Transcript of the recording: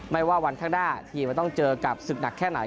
ไม่ว่าวันข้างหน้าทีมจะต้องเจอกับศึกหนักแค่ไหน